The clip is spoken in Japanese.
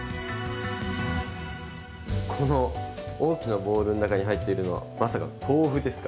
この大きなボウルの中に入っているのはまさか豆腐ですか？